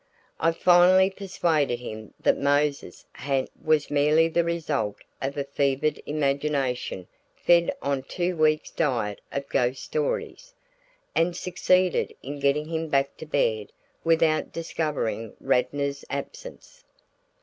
I finally persuaded him that Mose's ha'nt was merely the result of a fevered imagination fed on a two weeks' diet of ghost stories, and succeeded in getting him back to bed without discovering Radnor's absence.